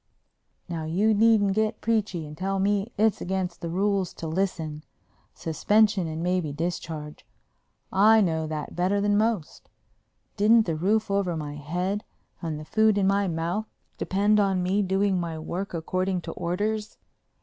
Now you needn't get preachy and tell me it's against the rules to listen—suspension and maybe discharge. I know that better than most. Didn't the roof over my head and the food in my mouth depend on me doing my work according to orders?